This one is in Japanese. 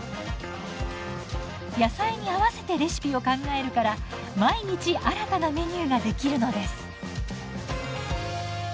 野菜に合わせてレシピを考えるから毎日新たなメニューができるのです。